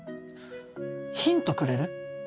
ヒントくれる？